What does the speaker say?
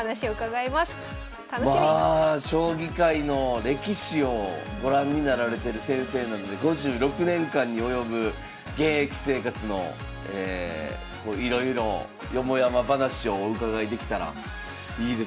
将棋界の歴史をご覧になられてる先生なので５６年間に及ぶ現役生活のいろいろをよもやま話をお伺いできたらいいです。